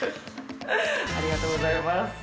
ありがとうございます。